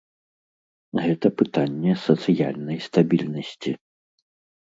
Гэта пытанне сацыяльнай стабільнасці.